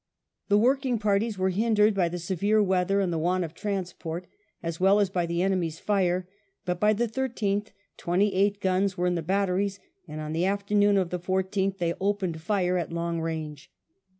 The working parties were hindered by the severe weather and the want of transport, as well as by the enemy's fire ; but by the 13th twenty eight guns were in the batteries, and on the afternoon of the 14th they opened fire at long range.